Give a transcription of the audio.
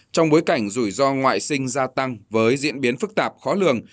trong bối cảnh rủi ro ngoại sinh gia tăng với diễn biến phức tạp khó lường